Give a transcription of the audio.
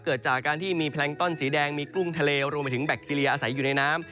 เกิดจากการที่มีแพลงต้อนสีแดงมีกุ้งทะเลรวมไปถึงแบคทีเรียอาศัยอยู่ในน้ำ